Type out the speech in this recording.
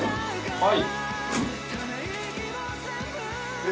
はい。